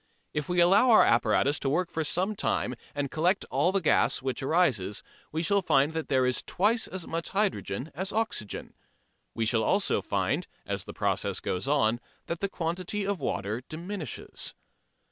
If we allow our apparatus to work for some time, and collect all the gas which arises, we shall find that there is twice as much hydrogen as oxygen. We shall also find, as the process goes on, that the quantity of water diminishes.